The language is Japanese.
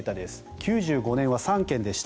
９５年は３件でした。